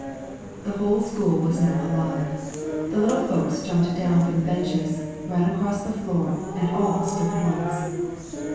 The whole school was now alive; the little folks jumped down from the benches, ran across the floor and all spoke at once.